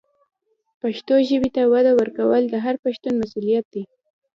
پښتو ژبې ته وده ورکول د هر پښتون مسؤلیت دی.